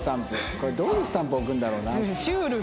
これどういうスタンプ送るんだろうな？